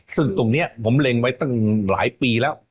ซึ่งตรงนี้ผมเล็งไว้ตั้งหลายปีแล้ว